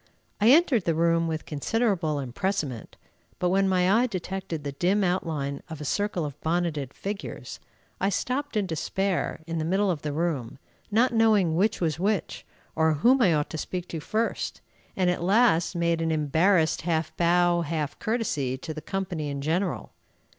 I entered the room with considerable empressement, but when my eye detected the dim outline of a circle of bonneted figures, I stopped in despair in the middle of the room, not knowing which was which, or whom I ought to speak to first, and at last made an embarrassed half bow, half courtesy, to the company in general.